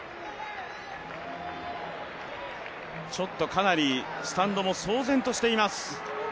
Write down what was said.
かなりスタンドも騒然としています。